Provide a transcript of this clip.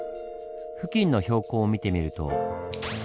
付近の標高を見てみると。